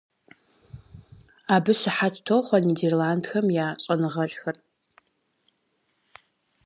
Абы щыхьэт тохъуэ Нидерландхэм я щӀэныгъэлӀхэр.